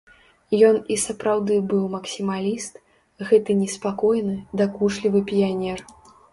Ён і сапраўды быў максімаліст, гэты неспакойны, дакучлівы піянер.